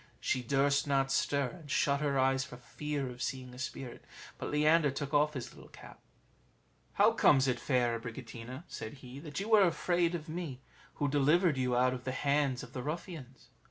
She durst not stir, and shut her eyes for fear of seeing a spirit. But Leander took off his little cap: "How comes it, fair Abricotina," said he, "that you are afraid of me, who delivered you out of the hands of the ruffians?"